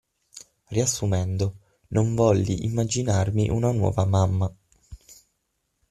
Riassumendo: Non volli immaginarmi una nuova mamma.